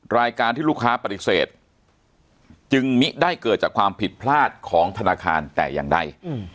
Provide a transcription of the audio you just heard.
รายการที่ลูกค้าปฏิเสธจึงมิได้เกิดจากความผิดพลาดของธนาคารแต่อย่างใด